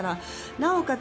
なおかつ